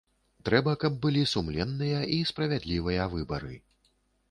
Трэба, каб былі сумленныя і справядлівыя выбары.